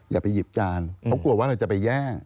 อย่าไปหยิบจานเขากลัวว่าเราจะไปแย่ง